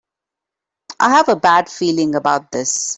I have a bad feeling about this!